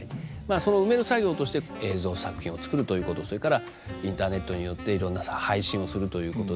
その埋める作業として映像作品を作るということそれからインターネットによっていろんな配信をするということで。